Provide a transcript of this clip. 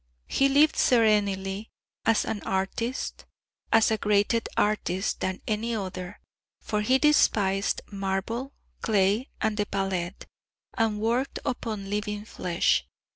He lived serenely as an artist, as a greater artist than any other; for he despised marble, clay and the palette, and worked upon living flesh.